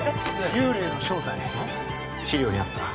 幽霊の正体うん？